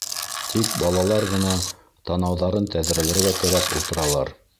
Тик балалар ғына танауҙарын тәҙрәләргә терәп ултыралар.